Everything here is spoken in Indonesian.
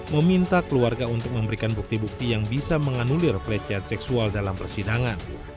meminta keluarga untuk memberikan bukti bukti yang bisa menganulir pelecehan seksual dalam persidangan